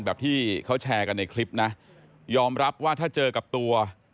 แบบที่เขาแชร์กันในคลิปนะยอมรับว่าถ้าเจอกับตัว